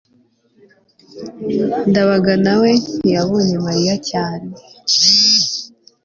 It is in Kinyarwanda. ndabaga nawe ntiyabonye mariya cyane